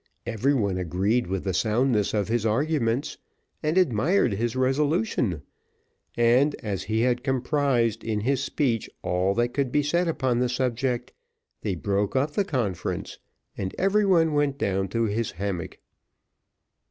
Everyone agreed with the soundness of his arguments, and admired his resolution, and as he had comprised in his speech all that could be said upon the subject, they broke up the conference, and everyone went down to his hammock.